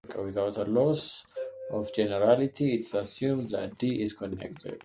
Without loss of generality, it can be assumed that "D" is connected.